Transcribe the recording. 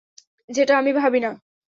যেটা আমি ভাবিনা।